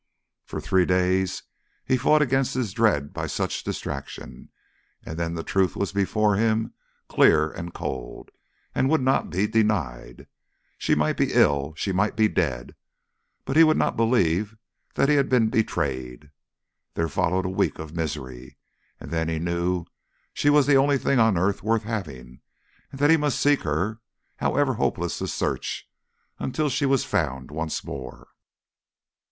For three days he fought against his dread by such distraction, and then the truth was before him clear and cold, and would not be denied. She might be ill, she might be dead; but he would not believe that he had been betrayed. There followed a week of misery. And then he knew she was the only thing on earth worth having, and that he must seek her, however hopeless the search, until she was found once more.